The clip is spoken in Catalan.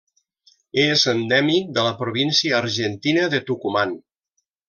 És endèmic de la província argentina de Tucumán.